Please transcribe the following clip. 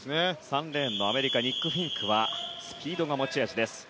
３レーンのアメリカニック・フィンクはスピードが持ち味。